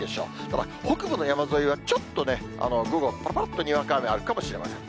ただ、北部の山沿いはちょっとね、午後、ぱらぱらっとにわか雨あるかもしれません。